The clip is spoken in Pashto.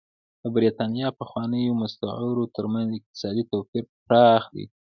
د برېټانیا پخوانیو مستعمرو ترمنځ اقتصادي توپیر پراخ دی.